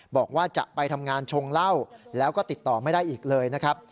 บอกว่าจะไปทำงานชงเหล้าแล้วก็ติดต่อไม่ได้อีกเลยนะครับ